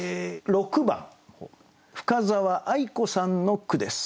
６番深沢愛子さんの句です。